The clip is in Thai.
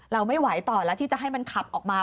เราไม่ไหวต่อแล้วที่จะให้มันขับออกมา